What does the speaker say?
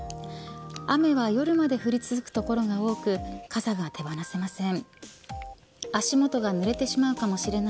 雨は夜まで降り続く所が多く傘が手放せません。